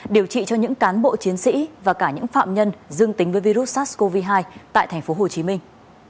điều trị cho những cán bộ chiến sĩ và cả những phạm nhân dương tính với virus sars cov hai tại thành phố hồ chí minh